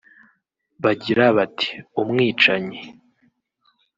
bagira bati “ Umwicanyi